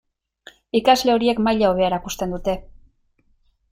Ikasle horiek maila hobea erakusten dute.